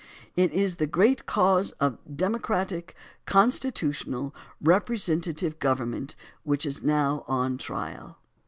It is the great cause of Democratic, co7istitutional, representative government which is now on trial.